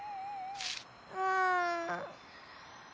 うん。